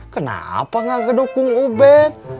kenapa gak ngedukung ubed